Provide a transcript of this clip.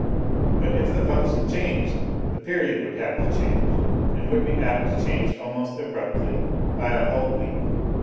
But if the function changed, the period would have to change, and would be apt to change almost abruptly by a whole week.